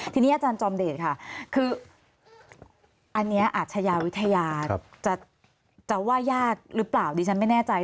ทีนี้อาจารย์จอมเดชค่ะคืออันนี้อาชญาวิทยาจะว่ายากหรือเปล่าดิฉันไม่แน่ใจ